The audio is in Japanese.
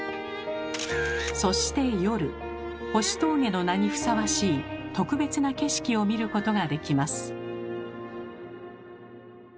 そして夜星峠の名にふさわしい特別な景色を見ることができます。